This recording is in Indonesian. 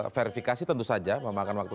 verifikasi tentu saja memakan waktu